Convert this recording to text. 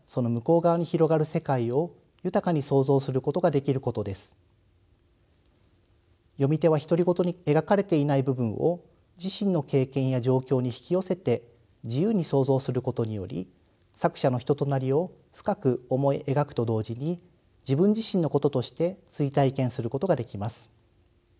３つ目の意義と可能性は読み手は独り言に描かれていない部分を自身の経験や状況に引き寄せて自由に想像することにより作者の人となりを深く思い描くと同時に自分自身のこととして追体験することができます。